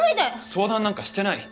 相談なんかしてない。